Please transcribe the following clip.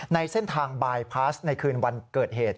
ในเส้นทางบายพาสในคืนวันเกิดเหตุ